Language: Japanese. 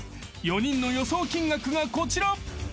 ［４人の予想金額がこちら］